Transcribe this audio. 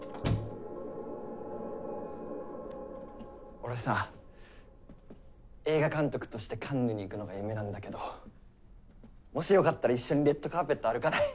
俺さ映画監督としてカンヌに行くのが夢なんだけどもしよかったら一緒にレッドカーペット歩かない？